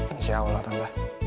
insya allah tante